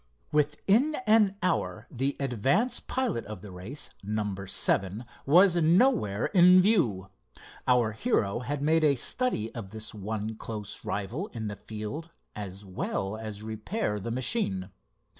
Within an hour the advance pilot of the race, number seven, was nowhere in view. Our hero had made a study of this one close rival in the field as well as repair the machine.